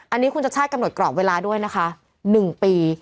อันนี้คุณชัชชาติกำหนดกรอบเวลาด้วยนะคะ๑ปี